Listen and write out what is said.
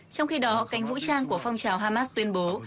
trong khi đó cánh vũ trang của phong trào hamas tuyên bố